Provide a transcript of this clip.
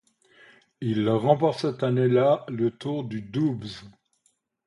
Il remporte cette année-là le Tour du Doubs.